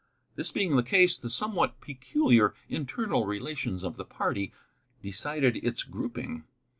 This being the case, the somewhat peculiar internal relations of the party decided its grouping.